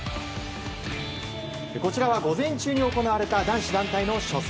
こちらは午前中に行われた男子団体の初戦。